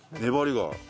粘りが。